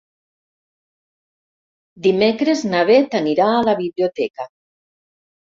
Dimecres na Beth anirà a la biblioteca.